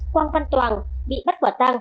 quang văn toàng bị bắt quả tăng